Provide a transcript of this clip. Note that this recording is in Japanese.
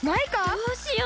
どうしよう！